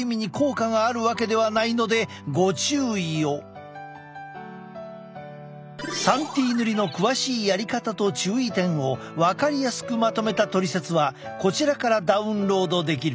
だから３Ｔ塗りの詳しいやり方と注意点を分かりやすくまとめたトリセツはこちらからダウンロードできる。